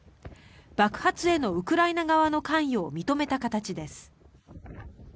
爆発へのウクライナ側の関与を認めた形です。